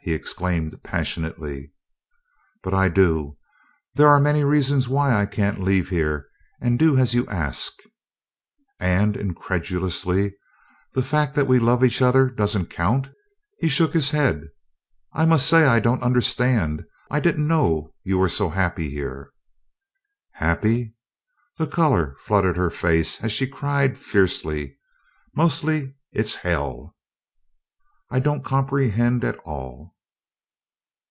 he exclaimed, passionately. "But I do. There are many reasons why I can't leave here and do as you ask." "And," incredulously, "the fact that we love each other doesn't count?" He shook his head. "I must say I don't understand. I didn't know that you were so happy here " "Happy!" The color flooded her face as she cried fiercely, "Mostly it's hell!" "I don't comprehend at all."